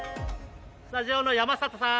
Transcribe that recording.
スタジオの山里さん